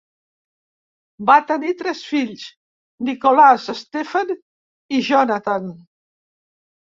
Va tenir tres fills: Nicholas, Stephen i Jonathan.